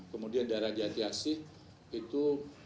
kemudian daerah jatiasi itu dua ratus delapan puluh